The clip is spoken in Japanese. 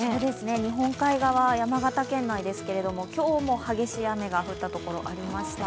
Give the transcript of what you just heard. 日本海側、山形県内ですけれども今日も激しい雨が降った所がありました。